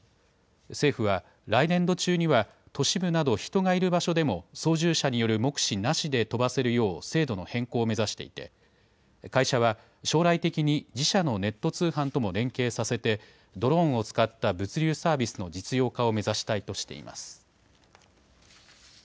政府は、来年度中には都市部など人がいる場所でも操縦者による目視なしで飛ばせるよう、制度の変更を目指していて、会社は、将来的に自社のネット通販とも連携させて、ドローンを使った物流サービスの実用化を目指したいとしています。